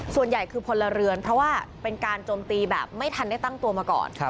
ส่วนใหญ่คือพลเรือนเพราะว่าเป็นการโจมตีแบบไม่ทันได้ตั้งตัวมาก่อน